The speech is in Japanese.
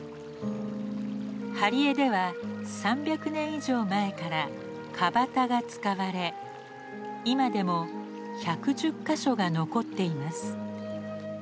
針江では３００年以上前から川端が使われ今でも１１０か所が残っています。